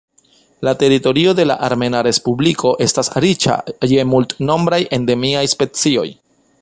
La teritorio de la Armena Respubliko estas riĉa je multnombraj endemiaj specioj.